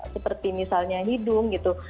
seperti misalnya hidung gitu